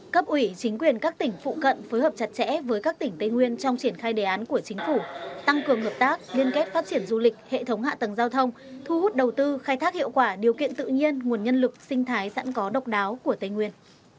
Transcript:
cấp ủy chính quyền các tỉnh phụ cận phối hợp chặt chẽ với các tỉnh tây nguyên trong triển khai đề án của chính phủ tăng cường hợp tác liên kết phát triển du lịch hệ thống hạ tầng giao thông thu hút đầu tư khai thác hiệu quả điều kiện tự nhiên nguồn nhân lực sinh thái sẵn có độc đáo của tây nguyên